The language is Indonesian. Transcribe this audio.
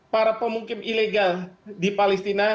para pemukim ilegal di palestina